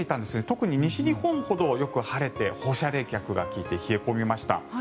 特に西日本ほどよく晴れて放射冷却が利いて冷え込みました。